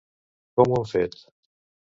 Com ho han fet?